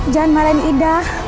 jangan malah ini ida